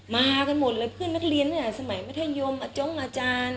มากันหมดเลยเพื่อนหน้าเรียนสมัยมัธยมจ้องอาจารย์